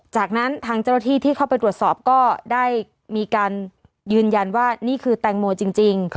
จากนั้นทางเจ้าหน้าที่ที่เข้าไปตรวจสอบก็ได้มีการยืนยันว่านี่คือแตงโมจริง